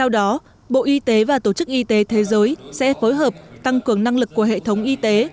đó bộ y tế và tổ chức y tế thế giới sẽ phối hợp tăng cường năng lực của hệ thống y tế